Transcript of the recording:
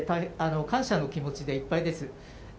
感謝の気持ちでいっぱいです。